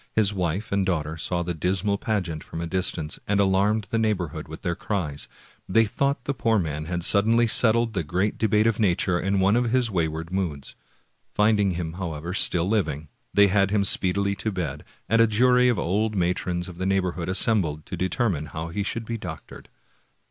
His wife and daughter saw the dismal pageant from a distance, and alarmed the neighborhood with their cries; they thought the poor man had suddenly settled the great debt of nature in one of his wayward moods. Finding him, however, still living, they had him speedily to bed, and a jury of old matrons of the neighborhood assembled to determine how he should be doctored.